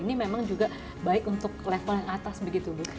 ini memang juga baik untuk level yang atas begitu bu